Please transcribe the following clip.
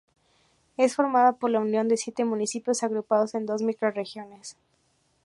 Es formada por la unión de siete municipios agrupados en dos microrregiones.